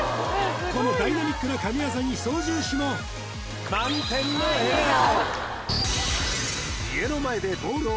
このダイナミックな神業に操縦士も投げたー！